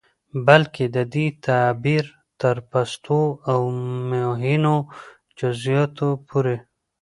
بلکې د دې تعبير تر پستو او مهينو جزيىاتو پورې